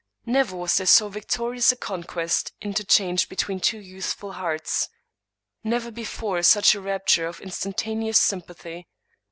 Never was there so victorious a conquest interchanged between two youthful hearts — ^never before such a rapture of instantaneous sym pathy.